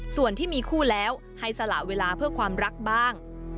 ส่วนที่มีคู่แล้วให้สละเวลาเพื่อความรักบ้าง